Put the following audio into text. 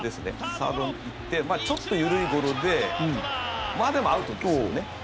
サードに行ってちょっと緩いゴロでまあ、でもアウトですよね。